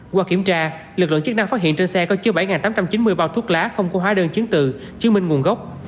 qua kiểm tra lực lượng chức năng phát hiện trên xe có chứa bảy tám trăm chín mươi bao thuốc lá không có hóa đơn chứng từ chứng minh nguồn gốc